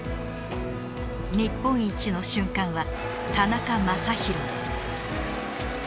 日本一の瞬間は田中将大で